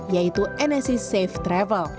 yaitu enesis safe travel